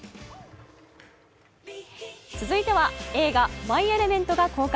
続いては映画「マイ・エレメント」が公開。